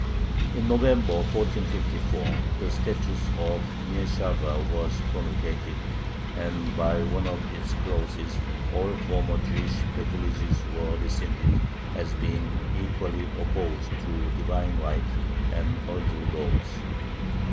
In November, 1454, the Statute of Nyeshava was promulgated, and by one of its clauses all former Jewish privileges were rescinded as "being equally opposed to Divine right and earthly laws."